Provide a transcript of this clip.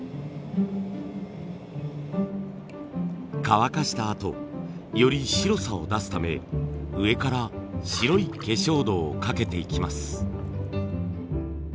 乾かしたあとより白さを出すため上から白い化粧土をかけていきます。